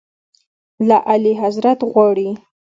له اعلیحضرت غواړي.